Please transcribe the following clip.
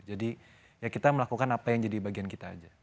ya kita melakukan apa yang jadi bagian kita aja